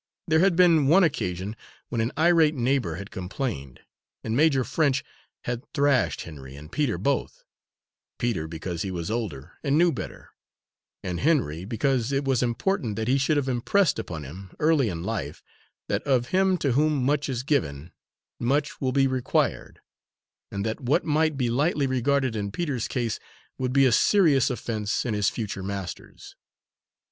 There had been one occasion when an irate neighbour had complained, and Major French had thrashed Henry and Peter both Peter because he was older, and knew better, and Henry because it was important that he should have impressed upon him, early in life, that of him to whom much is given, much will be required, and that what might be lightly regarded in Peter's case would be a serious offence in his future master's.